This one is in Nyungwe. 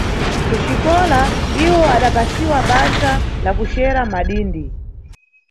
Kuxikola iwo adapasiwa basa la kucera madindi.